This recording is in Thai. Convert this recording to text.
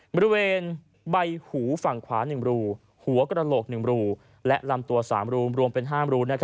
บริเวณใบหูฝั่งขวา๑รูหัวกระโหลก๑รูและลำตัว๓รูรวมเป็น๕รู